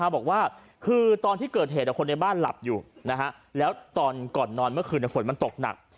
บอกว่าคือตอนที่เกิดเหตุคนในบ้านหลับอยู่แล้วตอนก่อนนอนเมื่อคืนฝนมันตกหนัก